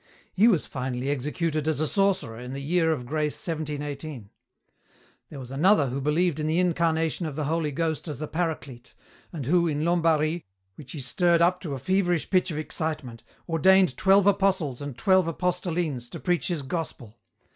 He was finally executed as a sorcerer in the year of grace 1718. There was another who believed in the Incarnation of the Holy Ghost as the Paraclete, and who, in Lombary, which he stirred up to a feverish pitch of excitement, ordained twelve apostles and twelve apostolines to preach his gospel.